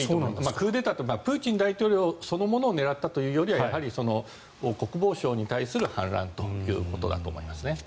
プーチン大統領そのものを狙ったというよりは国防省に対する反乱ということだと思いますね。